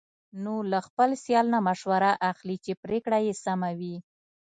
نو له خپل سیال نه مشوره اخلي، چې پرېکړه یې سمه وي.